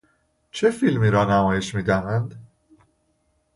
چه فیلمی را نمایش میدهند؟